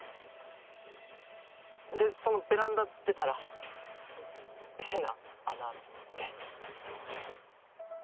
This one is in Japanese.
でそのベランダ出たら変な穴あって。